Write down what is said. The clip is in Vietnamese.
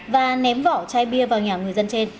và ném vỏ chai bia